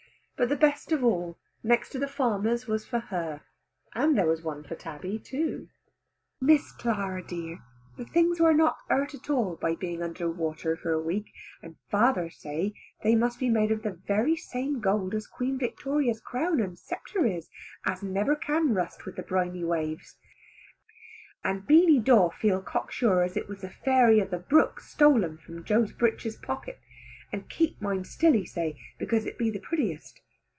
But the best of all, next to the farmer's, was for her, and there was one for Tabby too. "Miss Clara dear, the things was not hurt at all by being under water for a week, and father say they must be made of the very same gold as Queen Victoria's crown and sceptre is, as never can rust with the briny waves; and Beany Dawe feel cock sure as it was the fairy of the brook stole them from Joe's breeches pocket, and keep mine still he say because it be the prettiest.